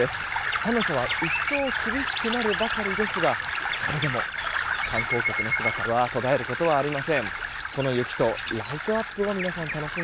寒さは一層厳しくなるばかりですがそれでも、観光客の姿は途絶えることはありません。